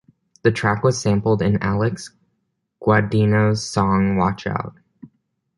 The track was sampled in Alex Gaudino's song Watch Out.